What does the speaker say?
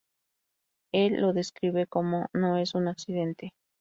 Él lo describe como "no es un accidente".